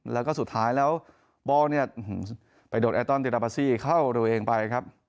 แล้วก็สุดท้ายแล้วบอลไปโดดแอตรอนติลาปาซี่เข้าโดยเองไปครับ